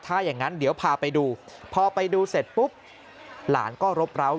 ถ้าอย่างนั้นเดี๋ยวพาไปดูพอไปดูเสร็จปุ๊บหลานก็รบร้าว